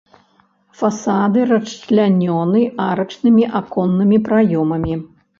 Фасады расчлянёны арачнымі аконнымі праёмамі.